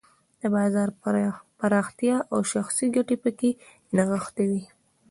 د بازار پراختیا او شخصي ګټې پکې نغښتې وې.